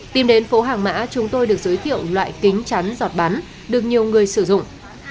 tìm đến phố hàng mã chúng tôi được giới thiệu loại kính chắn giọt bắn được nhiều người sử dụng